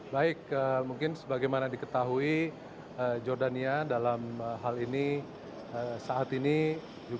baik mungkin sebagaimana diketahui jordania dalam hal ini saat ini juga